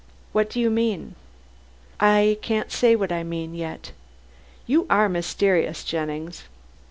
"What do you mean?" "I can't say what I mean yet." "You are mysterious, Jennings."